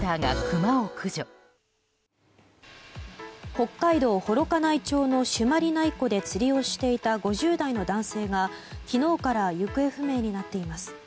北海道幌加内町の朱鞠内湖で釣りをしていた５０代の男性が昨日から行方不明になっています。